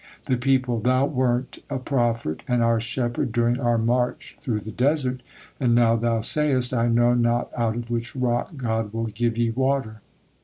The people: "Thou wert a prophet and our shepherd during our march through the desert, and now thou sayest, 'I know not out of which rock God will give ye water.'"